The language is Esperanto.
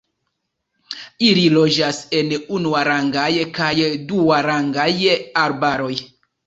Ili loĝas en unuarangaj kaj duarangaj arbaroj.